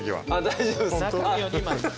大丈夫です。